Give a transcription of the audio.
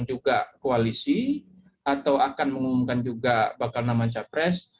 juga koalisi atau akan mengumumkan juga bakal nama capres